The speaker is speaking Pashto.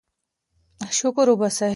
شکر وباسئ.